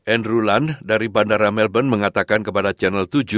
andrew lund dari bandara melbourne mengatakan kepada channel